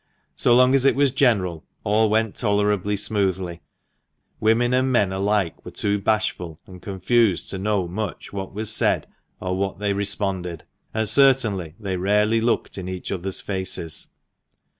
So long as it was general, all went tolerably smoothly— women and men alike were too bashful and confused to know much what was said, or what they responded, and certainly they rarely looked in each other's faces.